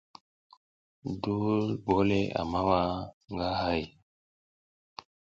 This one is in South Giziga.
Duwul bole a mawa nga hay.